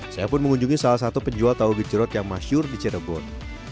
saya pun mengunjungi salah satu penjual tahu gejorot yang masyur di cirebon